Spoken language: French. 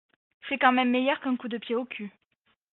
C’est quand même meilleur qu’un coup de pied au cul